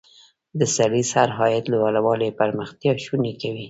د سړي سر عاید لوړوالی پرمختیا شونې کوي.